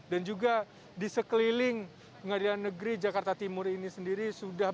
dan juga di sekeliling pengadilan negeri jakarta timur ini sendiri